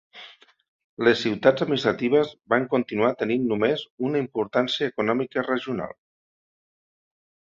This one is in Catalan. Les ciutats administratives van continuar tenint només una importància econòmica regional.